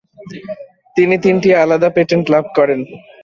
তিনি তিনটি আলাদা পেটেন্ট লাভ করেন।